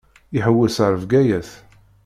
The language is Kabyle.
Iḥewwes ar Bgayet.